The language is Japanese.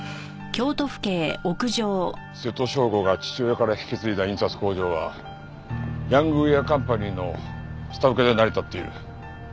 瀬戸将吾が父親から引き継いだ印刷工場はヤングウェアカンパニーの下請けで成り立っている。